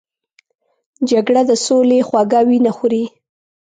جګړه د سولې خوږه وینه خوري